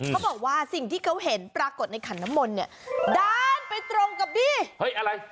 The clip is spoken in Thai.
เขาบอกว่าสิ่งที่เขาเห็นปรากฏในขันน้ำมนต์เนี่ยด้านไปตรงกับบี้เฮ้ยอะไร